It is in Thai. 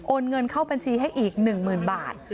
โอนเงินเข้าบัญชีให้อีก๑หมื่นบาท